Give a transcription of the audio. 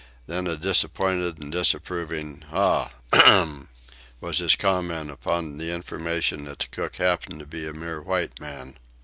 Then a disappointed and disapproving "Ah! h'm!" was his comment upon the information that the cook happened to be a mere white man.